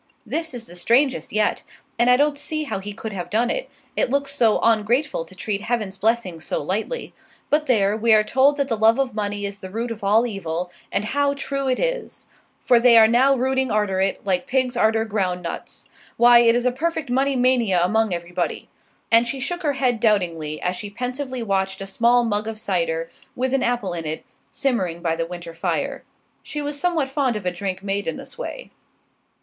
This is the strangest yet, and I don't see how he could have done it; it looks so ongrateful to treat Heaven's blessings so lightly. But there, we are told that the love of money is the root of all evil, and how true it is! for they are now rooting arter it, like pigs arter ground nuts. Why, it is a perfect money mania among everybody!" And she shook her head doubtingly, as she pensively watched a small mug of cider, with an apple in it, simmering by the winter fire. She was somewhat fond of a drink made in this way.